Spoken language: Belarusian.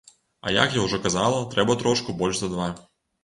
А як я ўжо казала, трэба трошку больш за два.